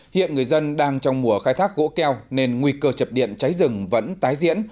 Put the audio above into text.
hiện người dân đang trong mùa khai thác gỗ keo nên nguy cơ chập điện cháy rừng vẫn tái diễn